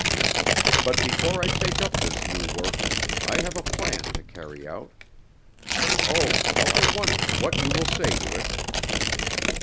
But before I take up this new work, I have a plan to carry out. Oh, how I wonder what you will say to it!